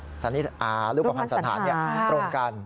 รูปพันธ์สนิทอารูปพันธ์สนิทอารูปพันธ์สนิทอาตรงกัน